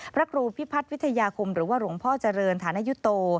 พระครูพิพัฒน์วิทยาคมหรือว่าหลวงพ่อเจริญฐานยุโต